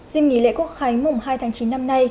dịp nghỉ lễ quốc khánh mùng hai tháng chín năm nay